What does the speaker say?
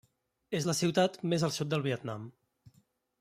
És la ciutat més al sud del Vietnam.